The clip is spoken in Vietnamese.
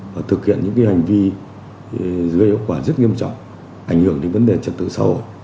và thực hiện những hành vi gây hậu quả rất nghiêm trọng ảnh hưởng đến vấn đề trật tự xã hội